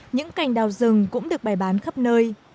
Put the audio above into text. những cành đào rừng cũng được bày bán khắp nơi